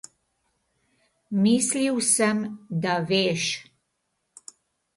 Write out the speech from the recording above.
Mislil sem, da veš.